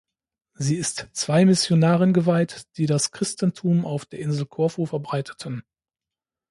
Sie ist zwei Missionaren geweiht, die das Christentum auf der Insel Korfu verbreiteten.